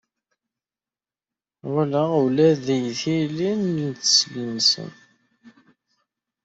Ɣullen-aɣ ula deg tili n teslent-nsen.